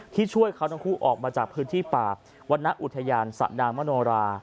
ช่วยเขาทั้งคู่ออกมาจากพื้นที่ป่าวรรณอุทยานสะดามโนรา